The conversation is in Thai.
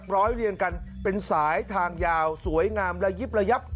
ร้อยเรียงกันเป็นสายทางยาวสวยงามระยิบระยับ